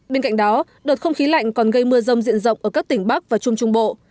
bên cạnh đó đợt không khí lạnh còn gây mưa rông diện rộng ở các tỉnh bắc và trung trung bộ